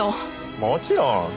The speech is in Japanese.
もちろん。